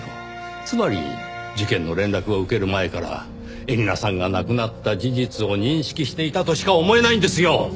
つまり事件の連絡を受ける前から絵里奈さんが亡くなった事実を認識していたとしか思えないんですよ！